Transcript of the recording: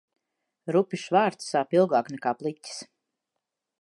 Rupjš vārds sāp ilgāk nekā pliķis.